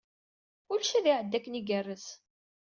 Kullec ad iɛeddi akken igerrez.